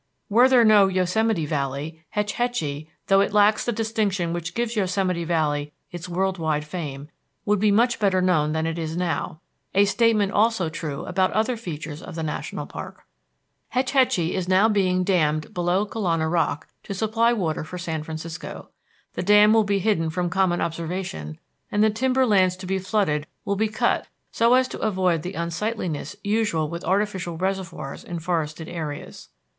Were there no Yosemite Valley, Hetch Hetchy, though it lacks the distinction which gives Yosemite Valley its world wide fame, would be much better known than it now is a statement also true about other features of the national park. Hetch Hetchy is now being dammed below Kolana Rock to supply water for San Francisco. The dam will be hidden from common observation, and the timber lands to be flooded will be cut so as to avoid the unsightliness usual with artificial reservoirs in forested areas.